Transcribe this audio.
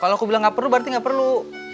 kalau aku bilang gak perlu berarti nggak perlu